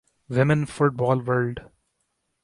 women football world